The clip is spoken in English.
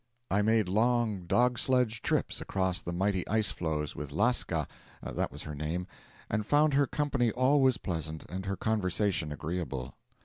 I made long dog sledge trips across the mighty ice floes with Lasca that was her name and found her company always pleasant and her conversation agreeable.